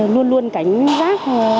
luôn luôn cảnh giác